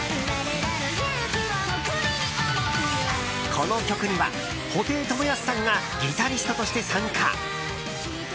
この曲には布袋寅泰さんがギタリストとして参加。